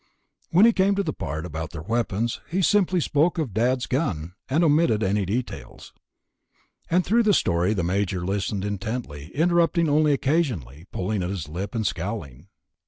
When he came to the part about their weapons, he simply spoke of "Dad's gun" and omitted any details. And through the story, the Major listened intently, interrupting only occasionally, pulling at his lip and scowling.